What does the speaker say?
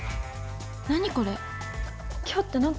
何これ？